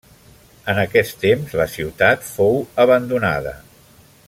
En aquest temps la ciutat fou abandonada.